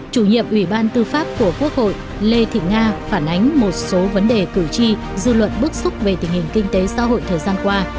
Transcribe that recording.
chủ nhiệm ủy ban tư pháp của quốc hội lê thị nga phản ánh một số vấn đề cử tri dư luận bức xúc về tình hình kinh tế xã hội thời gian qua